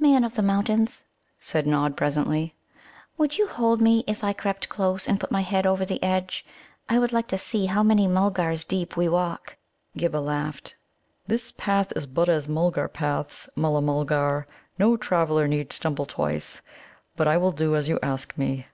"Man of the Mountains," said Nod presently, "would you hold me if I crept close and put my head over the edge? I would like to see how many Mulgars deep we walk." Ghibba laughed. "This path is but as other Mulgar paths, Mulla mulgar; no traveller need stumble twice. But I will do as you ask me."